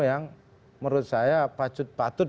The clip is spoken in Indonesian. yang menurut saya patut